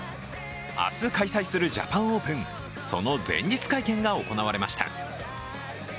明日、開催するジャパンオープン、その前日会見が行われました。